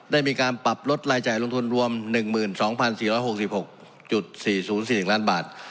ได้มีการปรับลดรายจ่ายลงทุนรวม๑๒๔๖๖๔๐๔๑ล้านบาท